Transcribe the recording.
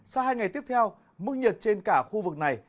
sau hai ngày tiếp theo mức nhiệt trên cả khu vực này